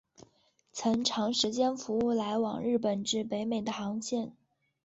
曾长时间服务来往日本至北美的航线。